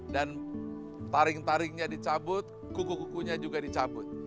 dan taring taringnya dicabut kuku kukunya juga dicabut